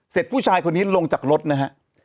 ผู้ชายคนนี้ลงจากรถนะฮะ